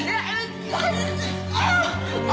ああ。